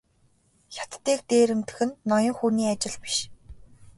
Хятадыг дээрэмдэх нь ноён хүний ажил биш.